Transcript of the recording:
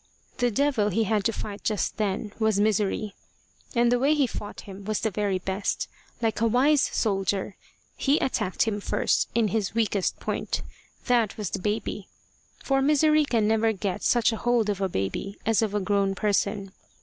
The devil he had to fight just then was Misery. And the way he fought him was the very best. Like a wise soldier, he attacked him first in his weakest point that was the baby; for Misery can never get such a hold of a baby as of a grown person.